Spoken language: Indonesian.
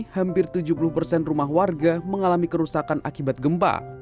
hampir tujuh puluh persen rumah warga mengalami kerusakan akibat gempa